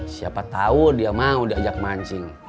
siapa tahu dia mau diajak mancing